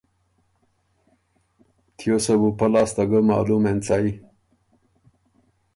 تیوسه بُو پۀ لاسته ګۀ معلوم اېنڅئ